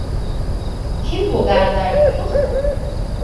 Kim bu berber Yusuf?